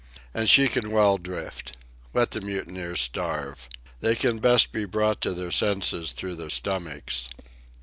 And she can well drift. Let the mutineers starve. They can best be brought to their senses through their stomachs.